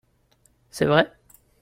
C'est vrai ?